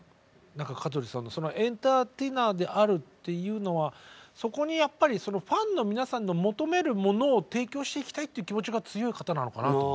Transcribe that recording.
何か香取さんのエンターテイナーであるっていうのはそこにやっぱりそのファンの皆さんの求めるものを提供していきたいっていう気持ちが強い方なのかなと。